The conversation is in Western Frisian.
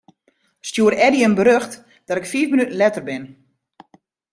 Stjoer Eddy in berjocht dat ik fiif minuten letter bin.